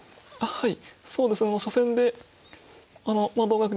はい。